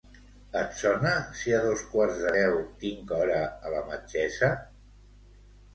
Et sona si a dos quarts de deu tinc hora a la metgessa?